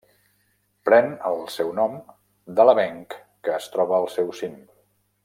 Pren el seu nom de l'avenc que es troba al seu cim.